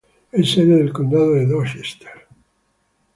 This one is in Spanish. Es sede del condado de Dorchester.